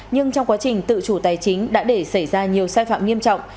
nhưng trong quá trình tự chủ tài chính đã để xảy ra nhiều sai phạm nghiêm trọng